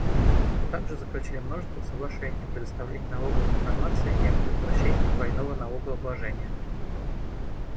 Мы также заключили множество соглашений о предоставлении налоговой информации и о предотвращении двойного налогообложения.